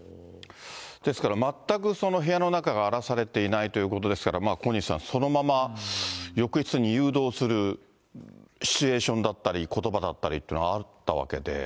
ですから、全くその部屋の中が荒らされていないということですから、小西さん、そのまま浴室に誘導するシチュエーションだったり、ことばだった